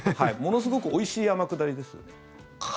ものすごくおいしい天下りです。